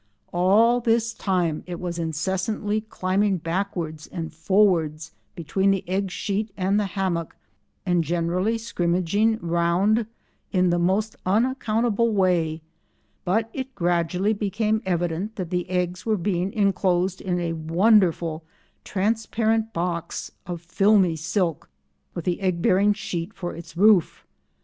All this time it was incessantly climbing backwards and forwards between the egg sheet and the hammock and generally scrimmaging round in the most unaccountable way, but it gradually became evident that the eggs were being enclosed in a wonderful transparent box of filmy silk with the egg bearing sheet for its roof.